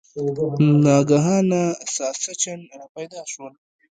ناګهانه ساسچن را پیدا شول.